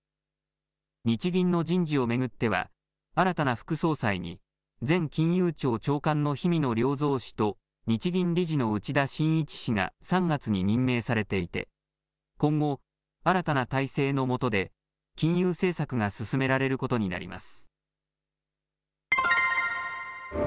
日銀の人事を巡っては新たな副総裁に前金融庁長官の氷見野良三氏と日銀理事の内田眞一氏が３月に任命されていて今後、新たな体制のもとで金融政策が進められることになります。